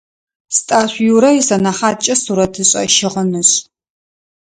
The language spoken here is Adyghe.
Стӏашъу Юрэ исэнэхьаткӏэ сурэтышӏэ-щыгъынышӏ.